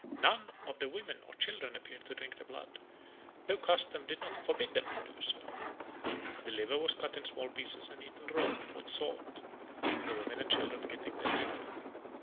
None of the women or children appeared to drink the blood, though custom did not forbid them to do so. The liver was cut in small pieces and eaten raw, with salt, the women and children getting their share.